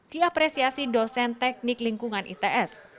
diapresiasi dosen teknik lingkungan its